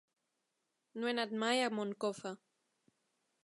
No he anat mai a Moncofa.